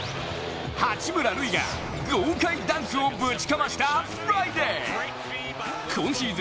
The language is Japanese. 八村塁が豪快ダンクをぶちかましたフライデー！